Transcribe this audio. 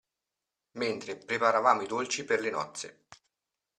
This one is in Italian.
Mentre preparavamo i dolci per le nozze.